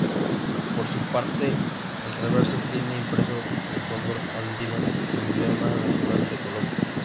Por su parte, el reverso tiene impreso el Cóndor andino, emblema nacional de Colombia.